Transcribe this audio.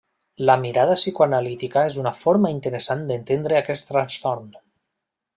La mirada psicoanalítica és una forma interessant d'entendre aquest trastorn.